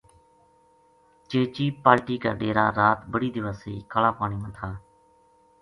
چیچی پالٹی کا ڈیرا رات بڑی دیواسئی کالا پانی ما تھا